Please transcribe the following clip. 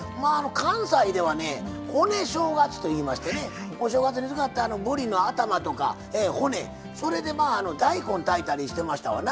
関西ではね骨正月といいましてねお正月に使ったぶりの頭とか骨それで大根炊いたりしてましたわな。